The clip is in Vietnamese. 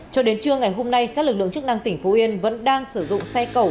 cho đến trưa ngày hôm nay các lực lượng chức năng tỉnh phú yên vẫn đang sử dụng xe cẩu